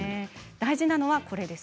大事なのはこれです。